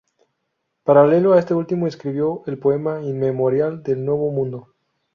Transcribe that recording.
Paralelo a este último escribió el poema "Inmemorial del Nuevo Mundo".